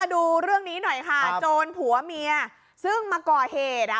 ดูเรื่องนี้หน่อยค่ะโจรผัวเมียซึ่งมาก่อเหตุอ่ะ